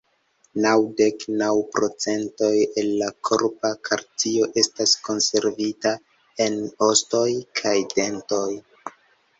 Naŭdek naŭ procentoj el la korpa kalcio estas konservita en ostoj kaj dentoj.